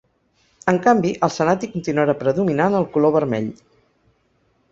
En canvi, al senat hi continuarà predominant el color vermell.